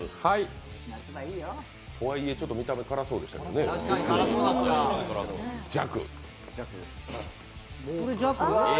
とはいえ見た目ちょっと辛そうでしたけどね、弱。